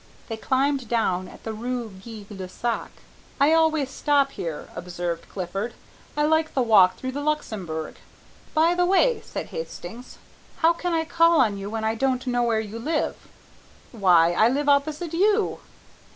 They climbed down at the rue Gay Lussac. "I always stop here," observed Clifford, "I like the walk through the Luxembourg." "By the way," said Hastings, "how can I call on you when I don't know where you live?" "Why, I live opposite you."